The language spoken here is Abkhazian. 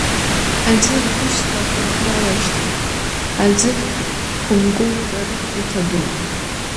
Аӡы ахьышьҭра, хынҳәра иашьҭан, аӡыхь хәымгоутәыр иҭабон.